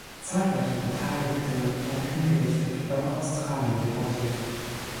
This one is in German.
Zahlreiche Beteiligte wurden hingerichtet oder nach Australien deportiert.